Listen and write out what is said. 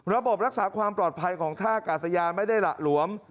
รักษาความปลอดภัยของท่ากาศยานไม่ได้หละหลวม